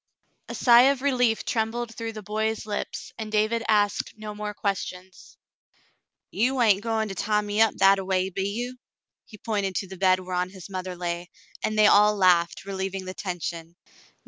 A sigh of relief trembled through the boy's lips, and David asked no more questions. "You hain't goin' to tie me up that a way, be you.^^" He pointed to the bed whereon his mother lay, and they all laughed, relieving the tension.